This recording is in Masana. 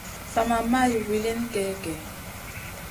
Sa ma maya wilin gey gèh.